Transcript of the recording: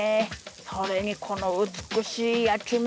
それにこの美しい焼き目！